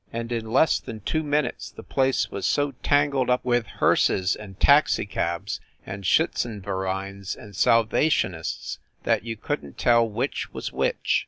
And in less than two minutes the place was so tangled up with hearses and taxicabs and Schiitzenvereins and Salvationists that you couldn t tell which was which.